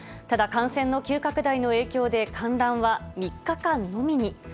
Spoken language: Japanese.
ただ、感染の急拡大の影響で、観覧は３日間のみに。